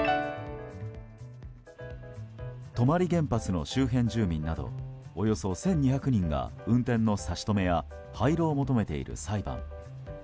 泊原発の周辺住民などおよそ１２００人が運転の差し止めや廃炉を求めている裁判。